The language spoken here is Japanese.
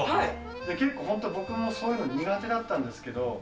結構、本当、僕もそういうの苦手だったんですけど。